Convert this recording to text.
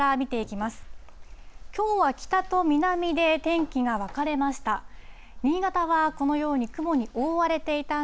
きょうは北と南で天気が分かれました。